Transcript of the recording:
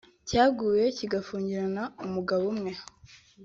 cyaguye kigafungirna umugabo umwe